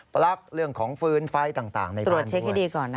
ปลั๊กเรื่องของฟื้นไฟต่างในบ้านด้วย